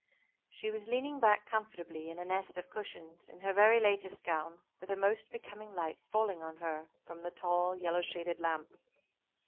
She was leaning back comfortably in a nest of cushions, in her very latest gown, with a most becoming light falling on her from the tall, yellow shaded lamp.